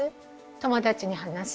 友達に話す？